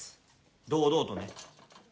堂々とね。